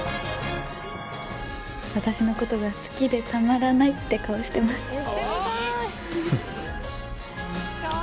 私のことが好きでたまらないって顔してます